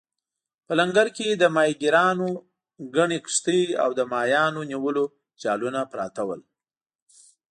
په لنګر کې د ماهیګیرانو ګڼې کښتۍ او د ماهیانو نیولو جالونه پراته ول.